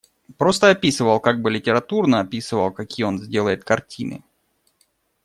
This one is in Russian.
Просто описывал, как бы литературно описывал, какие он сделает картины.